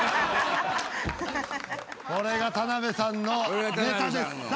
これが田辺さんのネタです。